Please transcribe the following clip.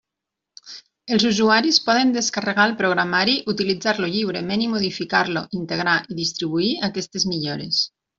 Els usuaris poden descarregar el programari, utilitzar-lo lliurement i modificar-lo, integrar i distribuir aquestes millores.